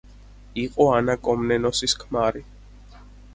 იყო ანა კომნენოსის ქმარი.